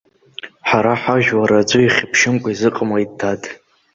Ҳара ҳажәлар аӡәы ихьыԥшымкәа изыҟамлеит, дад.